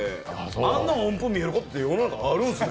あんな音符見えることって世の中、あるんですね。